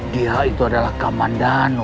dia itu adalah kaman danu